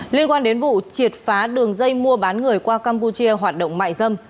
liên quan đến vụ triệt phá đường dây mua bán người qua campuchia hoạt động mại dâm